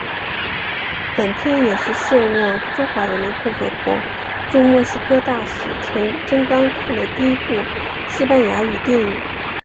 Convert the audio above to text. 本片也是现任中华人民共和国驻墨西哥大使曾钢看的第一部西班牙语电影。